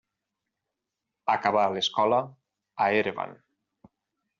Acabà l'escola a Erevan.